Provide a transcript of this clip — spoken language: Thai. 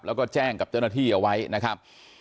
แล้วก็แจ้งกับเจ้าหน้าที่เอาไว้นะครับ